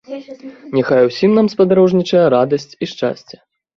Няхай усім нам спадарожнічае радасць і шчасце!